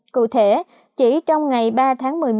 cụ thể chỉ trong ngày ba tháng một mươi một